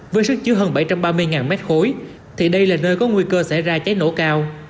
với sức chứa hơn bảy trăm ba mươi m ba thì đây là nơi có nguy cơ xảy ra cháy nổ cao